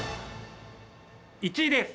１位です。